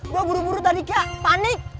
gua buru buru tadi kak panik